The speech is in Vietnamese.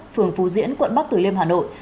phường phù diễn quận bắc tử liêm hà nội